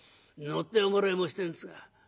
乗ってもらいもしてるんですが」。